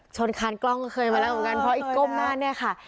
คานกล้องก็เคยมาแล้วเหมือนกันเพราะอีกก้มหน้าเนี่ยค่ะ